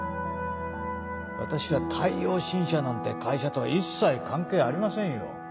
私は太陽新社なんて会社とは一切関係ありませんよ。